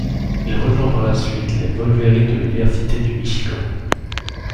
Il rejoint par la suite les Wolverines de l'Université du Michigan.